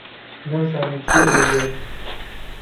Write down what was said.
نەمزانی چی ئێژێ،